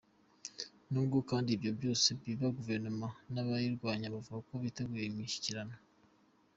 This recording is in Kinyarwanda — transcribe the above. N’ubwo kandi ibyo byose biba, Guverinoma n’abayirwanya bavuga ko biteguye imishyikirano.